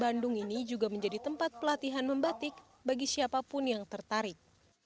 batik nyere di pajajaran bandung ini juga menjadi tempat pelatihan membatik bagi siapapun yang tertarik